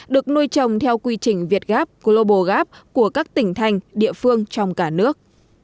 được nuôi trồng theo quy trình việt gap global gap của các tỉnh thành địa phương trong cả nước